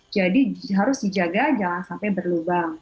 jadi harus dijaga jangan sampai berlubang